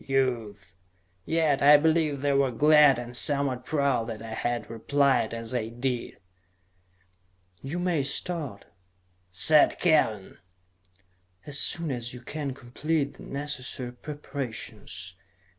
Youth!" Yet I believe they were glad and somewhat proud that I had replied as I did. "You may start," said Kellen, "as soon as you can complete the necessary preparations.